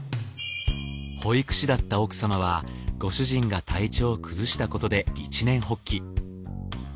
保育士だった奥様はご主人が体調を崩したことで一念発起。